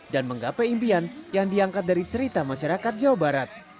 dan menggapai impian yang diangkat dari cerita masyarakat jawa barat